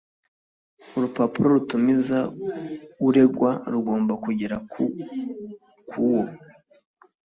Urupapuro rutumiza uregwa rugomba kugera kuwo